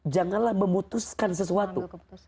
janganlah memutuskan sesuatu